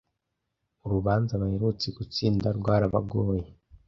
Urubanza baherutse gutsinda rwarabagoye